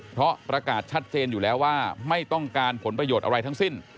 เพราะประกาศชัดเจนอยู่แล้วว่าไม่ต้องการผลประโยชน์อะไรทั้งสิ้น